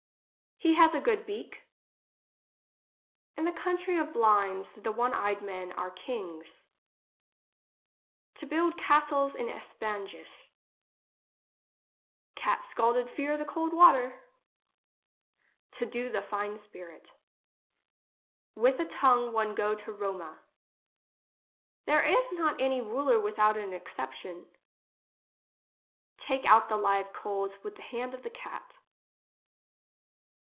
He has a good beak. In the country of blinds, the one eyed men are kings. To build castles in Espagnish. English as she is spoke. 59 Cat scalded fear the cold water. To do the fine spirit With a tongue one go to Roma. There is not any mler without a exception. Take out the live coals with the hand of the cat.